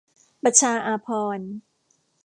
ประชาอาภรณ์